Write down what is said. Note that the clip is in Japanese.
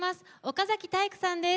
岡崎体育さんです。